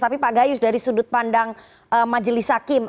tapi pak gayus dari sudut pandang majelis hakim